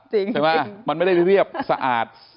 ใช่ไหมมันไม่ได้เรียบสะอาด